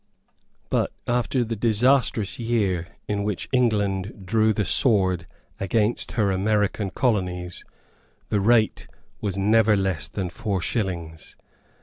But, after the disastrous year in which England drew the sword against her American colonies, the rate was never less than four shillings.